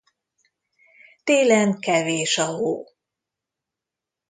Télen kevés a hó.